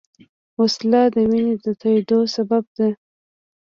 وسله د وینې د تویېدو سبب ده